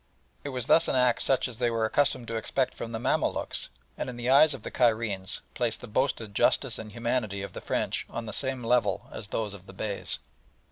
It was thus an act such as they were accustomed to expect from the Mamaluks, and, in the eyes of the Cairenes, placed the boasted justice and humanity of the French on the same level as those of the Beys.